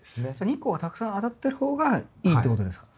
日光がたくさん当たってる方がいいってことですか？